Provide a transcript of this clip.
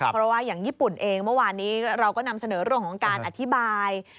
เพราะว่าอย่างญี่ปุ่นเองเมื่อวานนี้เราก็นำเสนอเรื่องของการอธิบาย